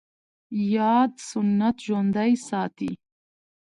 ياد سنت ژوندی ساتي